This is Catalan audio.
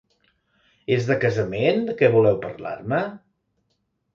És de casament, de què voleu parlar-me?